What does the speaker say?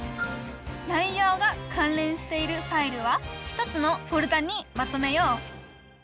内容が関連しているファイルは１つのフォルダにまとめよう！